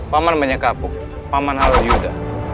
paman menyekapuk paman halayudha